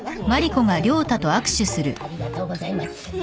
ありがとうございます。